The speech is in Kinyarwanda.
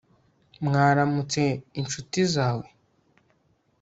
mwaramutse inshuti zawe